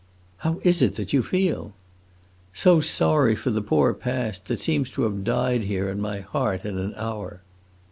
"How is it that you feel?" "So sorry for the poor past, that seems to have died here, in my heart, in an hour!"